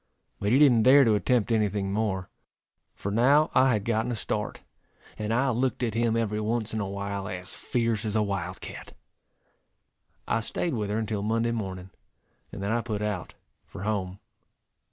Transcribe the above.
But he didn't dare to attempt any thing more, for now I had gotten a start, and I looked at him every once in a while as fierce as a wild cat. I staid with her until Monday morning, and then I put out for home.